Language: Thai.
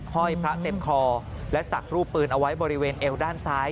ห้อยพระเต็มคอและศักดิ์รูปปืนเอาไว้บริเวณเอวด้านซ้าย